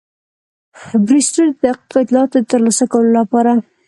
بریسټو د دقیقو اطلاعاتو د ترلاسه کولو لپاره.